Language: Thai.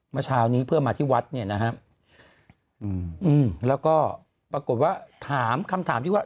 เมื่อเช้านี้เพื่อมาที่วัดแล้วก็ปรากฎว่าถามคำถามที่ว่า